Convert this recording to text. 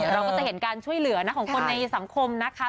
เราก็จะเห็นการช่วยเหลือนะของคนในสังคมนะคะ